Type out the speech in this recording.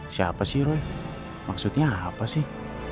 siapa sih ruh maksudnya apa sih